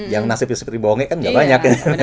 yang nasibnya seperti bonge kan gak banyak